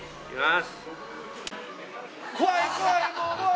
いきます。